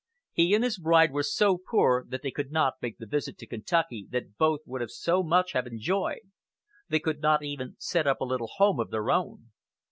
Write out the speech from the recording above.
He and his bride were so poor that they could not make the visit to Kentucky that both would so much have enjoyed. They could not even set up a little home of their own.